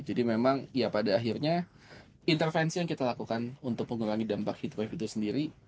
jadi memang ya pada akhirnya intervensi yang kita lakukan untuk mengurangi dampak heat wave itu sendiri